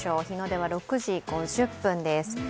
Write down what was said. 日の出は６時５０分です。